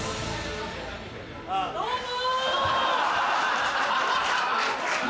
どうも！